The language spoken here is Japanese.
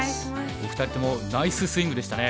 お二人ともナイススイングでしたね。